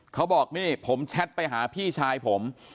เขาบอกนี่ผมแชทไปหาพี่ชายผม